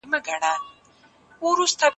پټې جګړې بې حسابه پیسې غواړي.